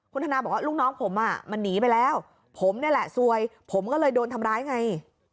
คุณธนาบอกว่าลูกน้องผมอ่ะมันหนีไปแล้วผมนี่แหละซวยผมก็เลยโดนทำร้ายไง